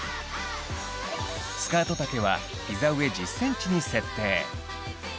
スカート丈はヒザ上１０ｃｍに設定。